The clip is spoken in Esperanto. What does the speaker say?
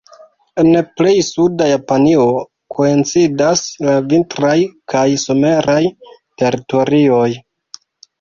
En plej suda Japanio koincidas la vintraj kaj someraj teritorioj.